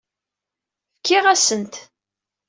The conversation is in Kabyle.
Fkiɣ-asen-t.